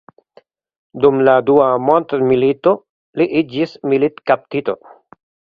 Dum la dua mondmilito li iĝis militkaptito.